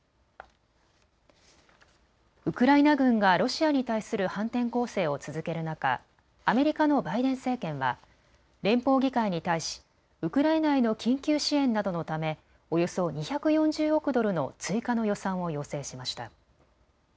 ウクライナ軍がロシアに対する反転攻勢を続ける中、アメリカのバイデン政権は連邦議会に対しウクライナへの緊急支援などのためおよそ２４０億ドルの追加の予算を要請しました。